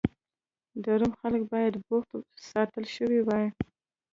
د روم خلک باید بوخت ساتل شوي وای.